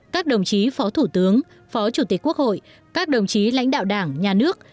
các đồng chí phó thủ tướng phó chủ tịch quốc hội các đồng chí lãnh đạo đảng nhà nước